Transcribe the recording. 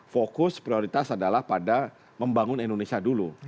fokus prioritas adalah pada membangun indonesia dulu